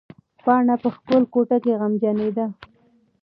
پاڼه په خپله کوټه کې غمجنېده.